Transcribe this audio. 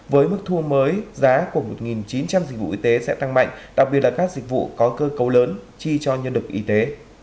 với mức thu mới giá của một chín trăm linh dịch vụ y tế sẽ tăng mạnh đặc biệt là các dịch vụ có cơ cấu lớn chi cho nhân lực y tế